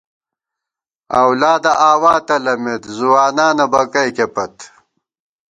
اؤلادہ آوا تلَمېت ، ځوانانہ بکَئیکے پت